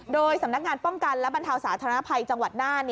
โดยสำนักงานป้องกันและบรรเทาสาธารณภัยจังหวัดน่าน